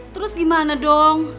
terus gimana dong